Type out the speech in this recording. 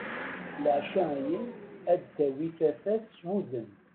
Leɛca-ayi ad tawi tafat s wudem.